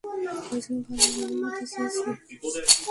একজন ভালো মেয়ে হতে চেয়েছি!